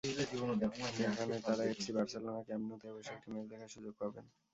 সেখানে তাঁরা এফসি বার্সেলোনার ক্যাম্প ন্যুতে বসে একটি ম্যাচ দেখার সুযোগ পাবেন।